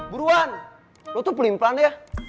buruan lo tuh pelimpelan ya